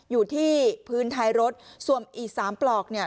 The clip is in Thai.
อยู่ที่พื้นท้ายรถส่วนอีกสามปลอกเนี่ย